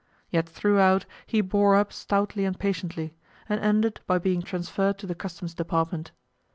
Yet throughout he bore up stoutly and patiently and ended by being transferred to the Customs Department.